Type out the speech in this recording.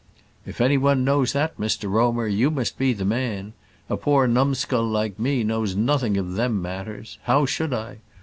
"If any one knows that, Mr Romer, you must be the man. A poor numbskull like me knows nothing of them matters. How should I?